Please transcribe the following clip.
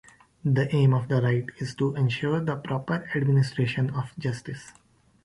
The aim of the right is to ensure the proper administration of justice.